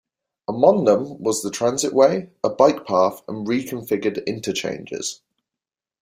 Among them was the transitway, a bike path and reconfigured interchanges.